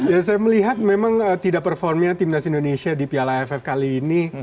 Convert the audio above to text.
ya saya melihat memang tidak performnya timnas indonesia di piala aff kali ini